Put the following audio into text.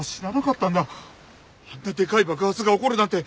あんなでかい爆発が起こるなんて。